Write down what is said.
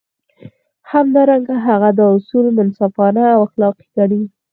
همدارنګه هغه دا اصول منصفانه او اخلاقي ګڼي.